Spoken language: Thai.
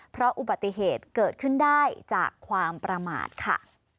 เพราะอุบัติเหตุเกิดขึ้นได้จากความประมาทค่ะ